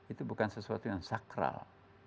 itu bukan sesuatu yang sakral